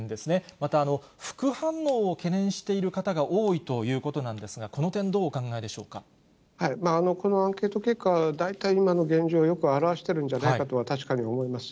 また、副反応を懸念している方が多いということなんですが、この点、このアンケート結果、大体今の現状をよく表しているんじゃないかと確かに思います。